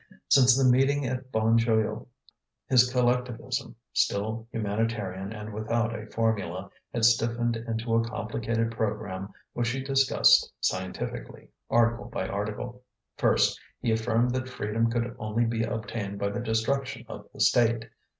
Since the meeting at the Bon Joyeux his collectivism, still humanitarian and without a formula, had stiffened into a complicated programme which he discussed scientifically, article by article. First, he affirmed that freedom could only be obtained by the destruction of the state.